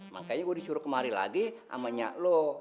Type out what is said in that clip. makanya gue disuruh kemari lagi sama nyak lo